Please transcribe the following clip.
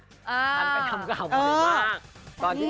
ฉันไปทำกล่าวมาก